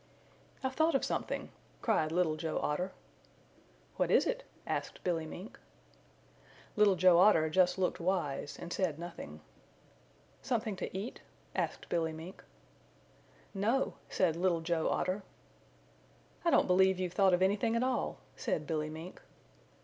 "I've thought of something!" cried Little Joe Otter. "What is it?" asked Billy Mink. Little Joe Otter just looked wise and said nothing. "Something to eat?" asked Billy Mink. "No," said Little Joe Otter. "I don't believe you've a thought of anything at all," said Billy Mink.